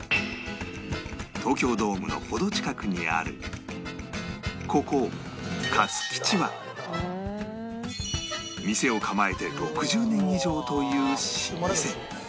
東京ドームの程近くにあるここかつ吉は店を構えて６０年以上という老舗